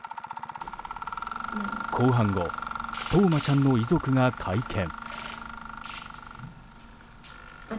公判後冬生ちゃんの遺族が会見。